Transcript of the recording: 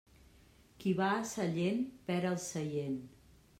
Qui va a Sallent perd el seient.